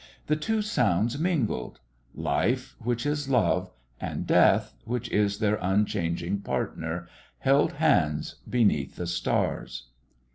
The two sounds mingled. Life, which is love, and Death, which is their unchanging partner, held hands beneath the stars.